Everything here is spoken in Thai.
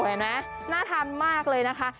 เห็นไหมน่าทานมากเลยนะคะ